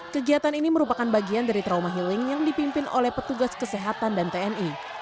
kegiatan ini merupakan bagian dari trauma healing yang dipimpin oleh petugas kesehatan dan tni